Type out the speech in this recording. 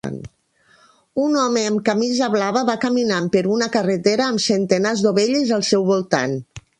Un home amb camisa blava va caminant per una carretera amb centenars d'ovelles al seu voltant.